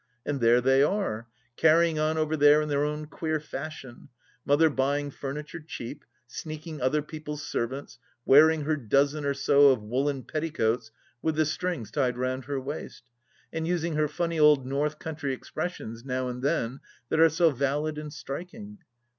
And there they are, carrying on over there in their own queer fashion: Mother buying furniture cheap, sneaking other people's servants, wearing her dozen or so of woollen petticoats with the strings tied round her waist, and using her funny old North country expressions now and then that are so valid and striking.